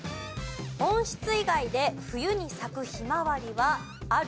温室以外で冬に咲くヒマワリはある？